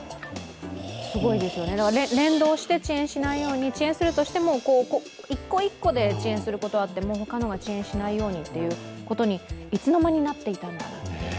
だから連動して遅延しないように遅延するとしても一個一個で遅延することはあっても、他のものが遅延しないようにということにいつのまになっていたのか。